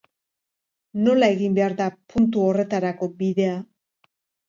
Nola egin behar da puntu horretarako bidea?